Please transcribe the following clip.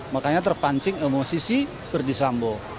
makanya terpancing emosisi perdisambo